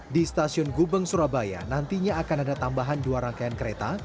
di stasiun gubeng surabaya nantinya akan ada tambahan dua rangkaian kereta